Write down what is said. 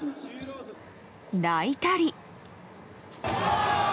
泣いたり。